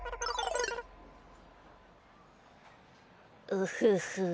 ウフフ。